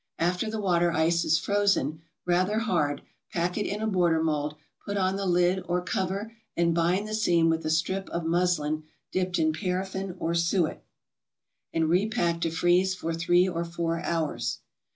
After the water ice is frozen rather hard, pack it in a border mold, put on the lid or cover and bind the seam with a strip of muslin dipped in paraffin or suet, and repack to freeze for three or four hours.